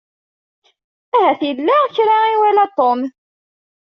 Ahat yella kra i iwala Tom.